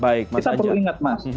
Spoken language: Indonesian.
kita perlu ingat mas